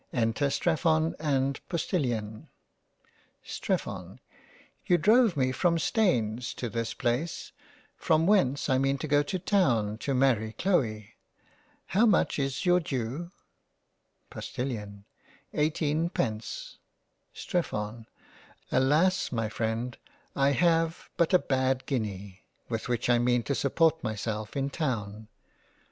Enter Strephon and Postilion. Streph:) You drove me from Staines to this place, from whence I mean to go to Town to marry Chloe. How much is your due t Post:) Eighteen pence. Streph:) Alas, my freind, I have but a bad guinea with which I mean to support myself in Town.